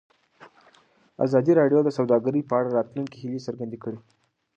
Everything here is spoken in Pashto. ازادي راډیو د سوداګري په اړه د راتلونکي هیلې څرګندې کړې.